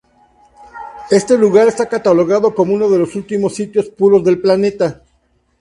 Este lugar está catalogado como uno de los últimos sitios puros del planeta.